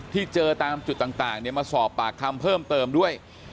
ที่เจอตามจุดต่างมาสอบปากคำเพิ่มเติมด้วย